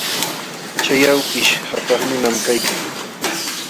Chay awkish qapaq nunam kaykan.